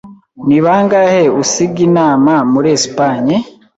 Ni bangahe usiga inama muri Espagne?